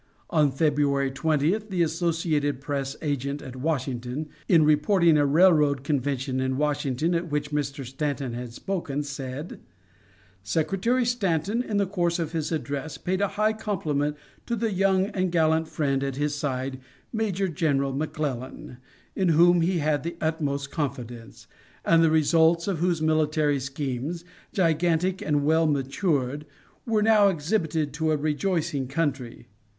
On February 20th the Associated Press agent at Washington, in reporting a railroad convention in Washington at which Mr. Stanton had spoken, said: "Secretary Stanton in the course of his address paid a high compliment to the young and gallant friend at his side, Major General McClellan, in whom he had the utmost confidence, and the results of whose military schemes, gigantic and well matured, were now exhibited to a rejoicing country.